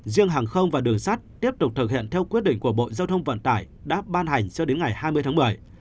riêng hàng không và đường sắt tiếp tục thực hiện theo quyết định của bộ giao thông vận tải đã ban hành cho đến ngày hai mươi tháng bảy